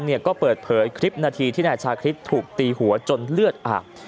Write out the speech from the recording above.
ก็เปิดเผยคลิปนาทีที่นายชาคริสถูกตีหัวจนเลือดอาบ